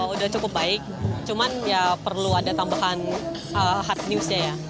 sudah cukup baik cuman ya perlu ada tambahan hard newsnya ya